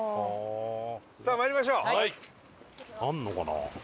さあ参りましょう。